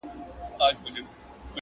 پښتنې سترګي دي و لیدې نرګسه.